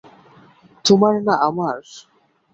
তোমার না আমার?